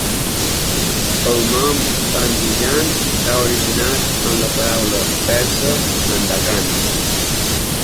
El nom Andijan s'ha originat en la paraula persa "Andakan".